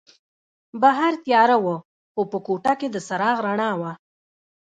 بهر تیاره وه خو په کوټه کې د څراغ رڼا وه.